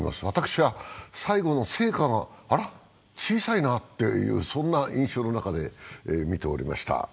私は最後の聖火が、あらっ、小さいなという印象の中で見ておりました。